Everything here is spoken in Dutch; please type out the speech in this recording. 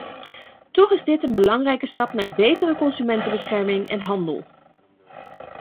Toch is dit een belangrijke stap naar betere consumentenbescherming en handel.